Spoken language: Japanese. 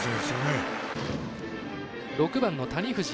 ６番の谷藤。